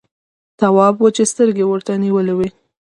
تواب وچې سترګې ورته نيولې وې…